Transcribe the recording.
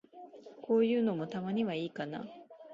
こういうのも、たまにはいいかな。